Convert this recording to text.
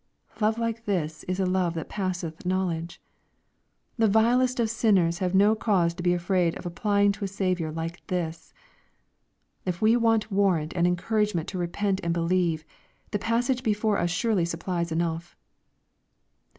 Love like this is a love that passeth knowledge. The vilest of sin ners have no cause to be afraid of applying to a Saviour like this. If we want warrant and encouragement to repent and believe, the passage before us surely supplies enough.